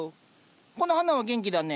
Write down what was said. この花は元気だね。